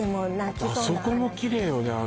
あとあそこもきれいよね